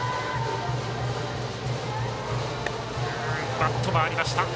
バット回りました。